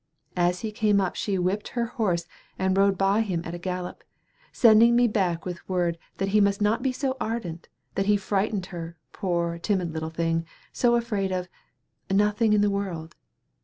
As he came up she whipped her horse and rode by him at a gallop, sending me back with word that he must not be so ardent; that he frightened her, poor, timid little thing, so afraid of nothing in the world.